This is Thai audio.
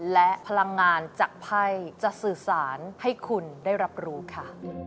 และพลังงานจากไพ่จะสื่อสารให้คุณได้รับรู้ค่ะ